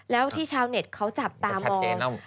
แล้วที่ชาวเน็ตเขาจับตามอง